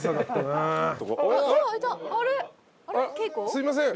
すいません。